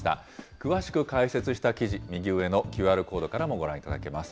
詳しく解説した記事、右上のＱＲコードからもご覧いただけます。